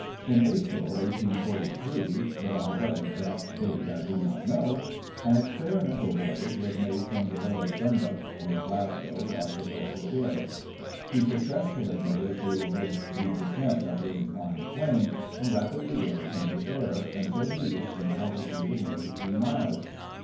In April, 1843 — ^^ut on what exact date I do not know, an experimental voyage was made from the Hill of Dumbuck, near Glasgow, by Professor GeoUs. He successfully nego tiated the descent of the inclined plane, and rapidly rose in the air, until he reached an altitude of nearly 3 miles.